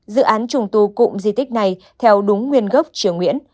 dự án trùng tu cụm di tích này theo đúng nguyên gốc triều nguyễn